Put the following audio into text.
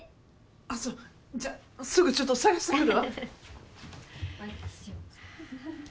あっそうじゃあすぐちょっと捜してくるわ。